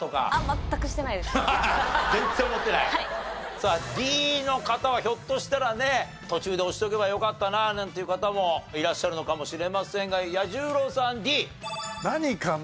さあＤの方はひょっとしたらね途中で押しておけばよかったななんていう方もいらっしゃるのかもしれませんが彌十郎さんＤ。